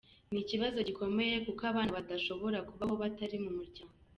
Ni ikibazo gikomeye kuko abana badashobora kubaho batari mu muryango”.